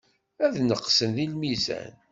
Ad neqsent deg lmizan.